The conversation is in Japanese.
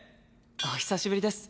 お久しぶりです